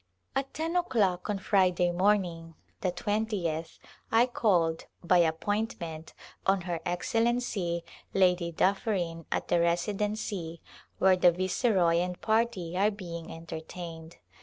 At ten o'clock on Friday morning — the twentieth — I called, by appointment, on Her Excellency, Lady DufFerin at the Residency, where the Viceroy and party are being entertained.